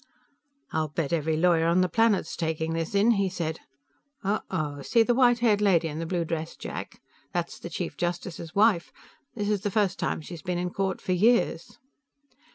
"I'll bet every lawyer on the planet's taking this in," he said. "Oh oh! See the white haired lady in the blue dress, Jack? That's the Chief Justice's wife. This is the first time she's been in court for years."